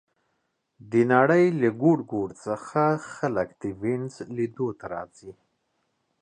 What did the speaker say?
د نړۍ له ګوټ ګوټ څخه خلک د وینز لیدو ته راځي